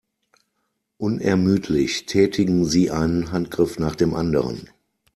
Unermüdlich tätigen sie einen Handgriff nach dem anderen.